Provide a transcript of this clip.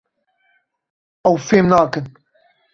Ew fêm nakin.